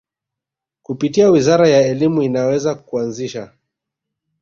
kupitia wizara ya Elimu inaweza kuanzisha